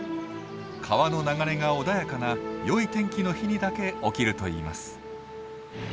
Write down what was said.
川の流れが穏やかなよい天気の日にだけ起きるといいます。